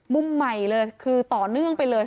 มุมใหม่เลยคือต่อเนื่องไปเลย